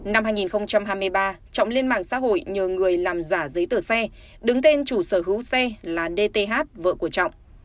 năm hai nghìn hai mươi ba trọng lên mạng xã hội nhờ người làm giả giấy tờ xe đứng tên chủ sở hữu xe là dth vợ của trọng